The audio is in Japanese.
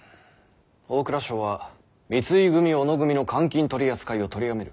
大蔵省は三井組小野組の官金取り扱いを取りやめる。